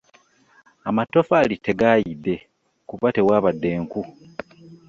Amatoffaali tegaayidde kuba tekwabadde nku.